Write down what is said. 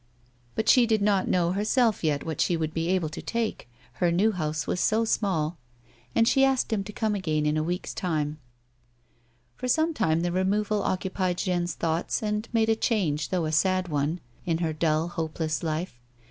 But she did not know herself yet wiiat she should be able to take, her new house was so small, and she asked him to come again in a week's time. A WOMAN'S LIFE. 219 For some time tlie removal occupied Jeanne's thonglits, and made a change, though a sad one, in her dull, hopeless life.